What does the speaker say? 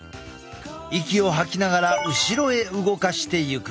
息を吐きながら後ろへ動かしていく。